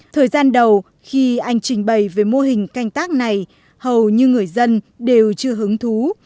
thời gian đầu khi anh trình bày về mô hình canh tác này hầu như người dân đều chưa hứng thú